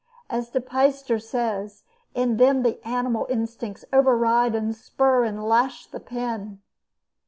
As De Peyster says: "In them the animal instincts override and spur and lash the pen."